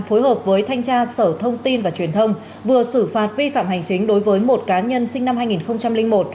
phối hợp với thanh tra sở thông tin và truyền thông vừa xử phạt vi phạm hành chính đối với một cá nhân sinh năm hai nghìn một